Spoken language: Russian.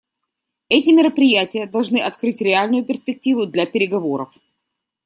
Эти мероприятия должны открыть реальную перспективу для переговоров.